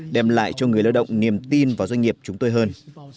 đem lại cho người lao động niềm tin vào doanh nghiệp chúng tôi hơn